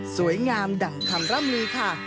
สวยงามดั่งคำร่ำลือค่ะ